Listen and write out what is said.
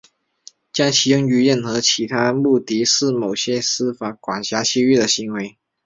将其用于任何其他目的是某些司法管辖区的犯罪行为。